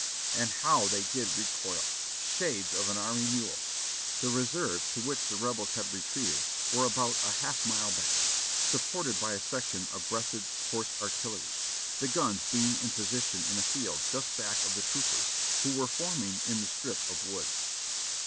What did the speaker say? And how they did recoil ! Shades of an army mule! The reserves to which the Rebels had retreated were about a half mile back, supported by a section of Breathed's horse ar tillery, the guns being in position in a field just back of the troop ers, who were forming in the strip of woods.